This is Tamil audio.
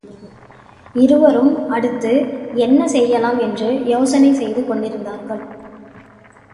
இருவரும் அடுத்து என்ன செய்யலாம் என்று யோசனை செய்து கொண்டிருந்தார்கள்.